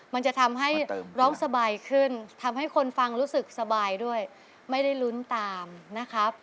มันจะทำให้ร้องสบายขึ้นทำให้คนฟังรู้สึกสบายด้วยไม่ได้ลุ้นตามนะครับ